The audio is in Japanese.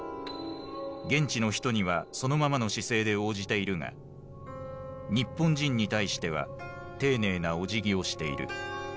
現地の人にはそのままの姿勢で応じているが日本人に対しては丁寧なおじぎをしている。